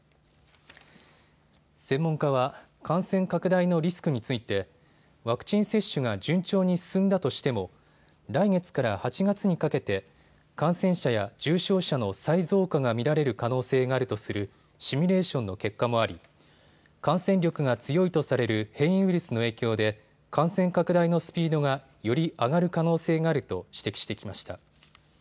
専門家は感染拡大のリスクについてワクチン接種が順調に進んだとしても来月から８月にかけて感染者や重症者の再増加が見られる可能性があるとするシミュレーションの結果もあり感染力が強いとされる変異ウイルスの影響で感染拡大のスピードが、より上がる可能性があると指摘してきました。